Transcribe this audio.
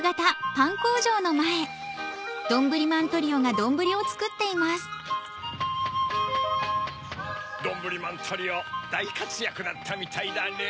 どんぶりまんトリオだいかつやくだったみたいだねぇ。